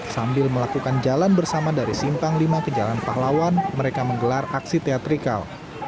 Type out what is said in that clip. sambil melakukan jalan bersama dari simpang lima ke jalan pahlawan mereka menggelar aksi teatrikal